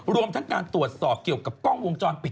รวมทั้งการตรวจสอบเกี่ยวกับกล้องวงจรปิด